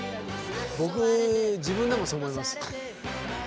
僕自分でもそう思います。